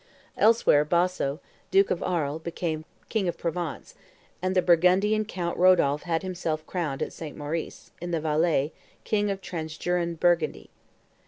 Elsewhere, Boso, duke of Arles, became king of Provence, and the Burgundian Count Rodolph had himself crowned at St. Maurice, in the Valais, king of transjuran Burgundy.